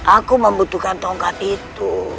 aku membutuhkan tongkat itu